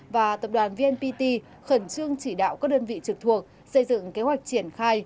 và tập đoàn vnpt khẩn trương chỉ đạo các đơn vị trực thuộc xây dựng kế hoạch triển khai